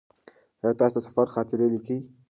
ایا تاسې د سفر خاطرې لیکئ؟